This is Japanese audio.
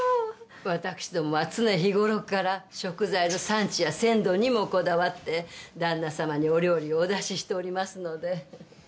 わたくしどもは常日頃から食材の産地や鮮度にもこだわって旦那様にお料理をお出ししておりますので。